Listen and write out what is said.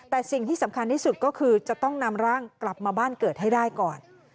แต่สิ่งที่สำคัญที่สุดก็คือจะต้องนำร่างกลับมาบ้านเกิดให้ได้ก่อน